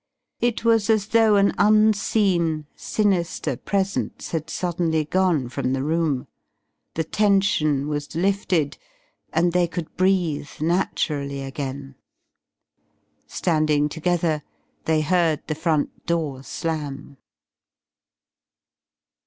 It was as though an unseen, sinister presence had suddenly gone from the room. The tension was lifted, and they could breathe naturally again. Standing together they heard the front door slam.